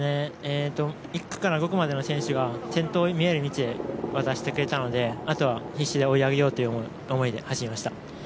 １区から５区までの選手が先頭が見える位置で渡してくれたのであとは必死で追い上げようという思いで走りました。